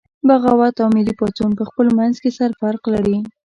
بغاوت او ملي پاڅون پخپل منځ کې سره فرق لري